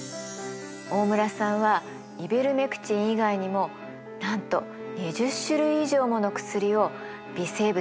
大村さんはイベルメクチン以外にもなんと２０種類以上もの薬を微生物から見つけたんだそうです。